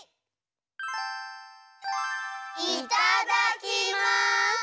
いただきます！